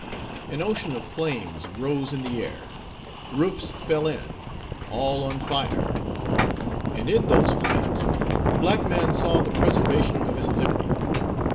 An ocean of flames rose in the air; roofs fell in all on fire; and in those flames the black man saw the preservation of his liberty.